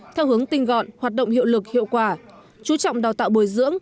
theo hướng tinh gọn hoạt động hiệu lực hiệu quả chú trọng đào tạo bồi dưỡng